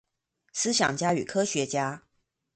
思想家與科學家